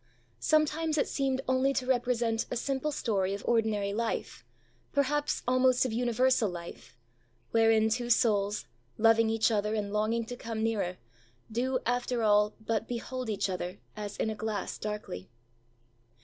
Sometimes it seemed only to represent a simple story of ordinary life, perhaps almost of universal life; wherein two souls, loving each other and longing to come nearer, do, after all, but behold each other as in a glass darkly.